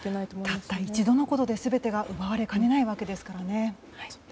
たった一度のことで全てが奪われかねないわけですから。